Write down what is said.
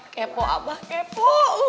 kepo abah kepo